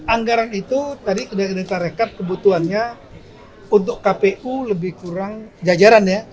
anggaran itu tadi dari tarekat kebutuhannya untuk kpu lebih kurang jajaran ya